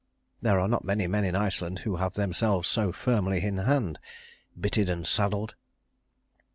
There are not many men in Iceland who have themselves so firmly in hand bitted and saddled."